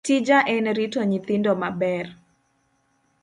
Tija en rito nyithindo maber